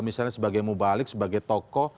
misalnya sebagai mubalik sebagai tokoh